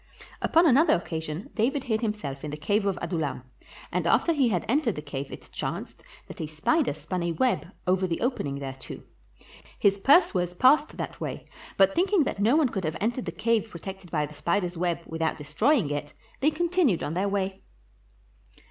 Upon another occasion David hid himself in the cave of Adullam, and after he had entered the cave it chanced that a spider spun a web over the opening thereto. His pursuers passed that way, but thinking that no one could have entered the cave protected by the spider's web without destroying it, they continued on their way.